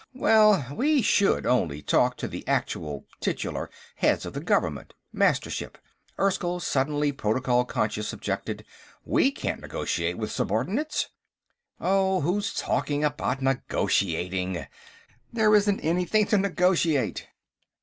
"Well, we should only talk to the actual, titular, heads of the government Mastership," Erskyll, suddenly protocol conscious, objected. "We can't negotiate with subordinates." "Oh, who's talking about negotiating; there isn't anything to negotiate.